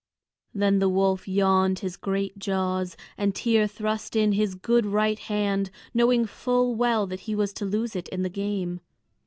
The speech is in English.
Then the wolf yawned his great jaws, and Tŷr thrust in his good right hand, knowing full well that he was to lose it in the game.